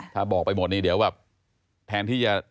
ถ้าบอกไปหมดนี่เดี๋ยวแบบแทนที่จะ